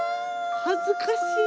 恥ずかしい。